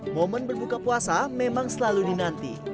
momen berbuka puasa memang selalu dinanti